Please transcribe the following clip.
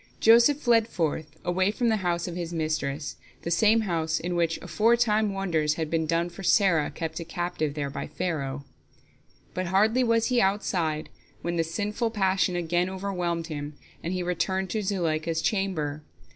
Joseph fled forth, away from the house of his mistress, the same house in which aforetime wonders had been done for Sarah kept a captive there by Pharaoh. But hardly was he outside when the sinful passion again overwhelmed him, and he returned to Zuleika's chamber.